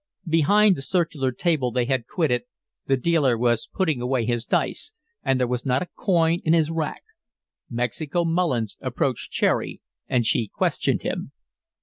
Behind the circular table they had quitted, the dealer was putting away his dice, and there was not a coin in his rack. Mexico Mullins approached Cherry, and she questioned him.